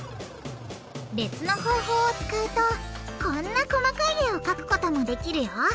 別の方法を使うとこんな細かい絵を描くこともできるよ！